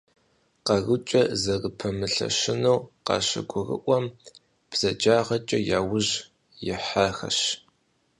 Къарукӏэ зэрыпэмылъэщынур къащыгурыӏуэм, бзаджагъэкӏэ яужь ихьахэщ.